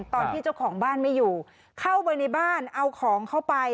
ตอนที่เจ้าของบ้านไม่อยู่เข้าไปในบ้านเอาของเข้าไป